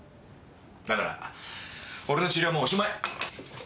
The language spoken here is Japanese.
だから俺の治療もうおしまい。